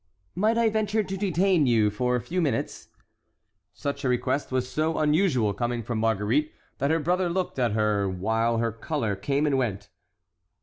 "Might I venture to detain you for a few minutes?" Such a request was so unusual coming from Marguerite that her brother looked at her while her color came and went.